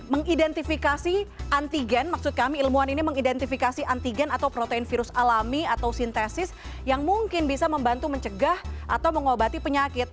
mengidentifikasi antigen maksud kami ilmuwan ini mengidentifikasi antigen atau protein virus alami atau sintesis yang mungkin bisa membantu mencegah atau mengobati penyakit